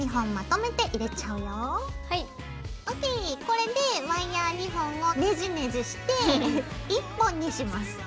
これでワイヤー２本をネジネジして１本にします。